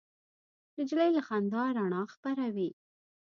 نجلۍ له خندا رڼا خپروي.